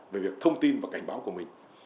về việc thông tin và cảnh báo của mình